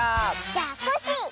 じゃあコッシー！